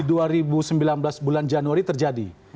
di dua ribu sembilan belas bulan januari terjadi